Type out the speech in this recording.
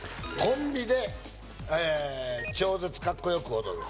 コンビでえー「超絶かっこよく踊る」